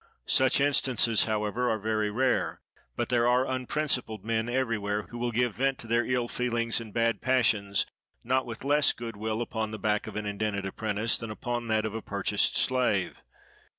Such instances, however, are very rare; but there are unprincipled men everywhere, who will give vent to their ill feelings and bad passions, not with less good will upon the back of an indented apprentice, than upon that of a purchased slave.